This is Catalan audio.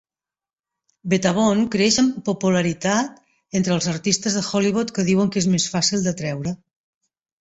BetaBond creix en popularitat entre els artistes de Hollywood que diuen que és més fàcil de treure.